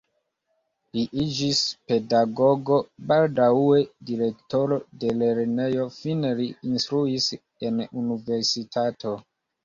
Li iĝis pedagogo, baldaŭe direktoro de lernejo, fine li instruis en universitato.